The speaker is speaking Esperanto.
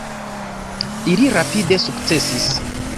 Ili rapide sukcesis.